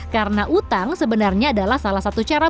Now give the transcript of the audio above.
karena utang sebenarnya adalah salah satu cara